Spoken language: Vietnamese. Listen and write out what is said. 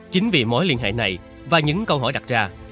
chính vì mối liên hệ này và những câu hỏi đặt ra